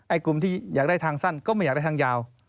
กลุ่มที่อยากได้ทางสั้นก็ไม่อยากได้ทางยาว